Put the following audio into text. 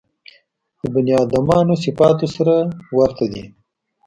د بني ادمانو صفاتو سره ورته دي.